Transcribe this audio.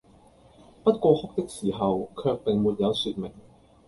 不過哭的時候，卻並沒有説明，